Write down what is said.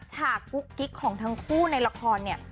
ฉากกุ๊กกิ๊กของทั้งคู่ในละครเนี่ย